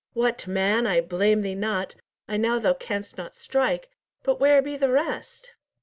What, man, I blame thee not, I know thou canst not strike; but where be the rest?"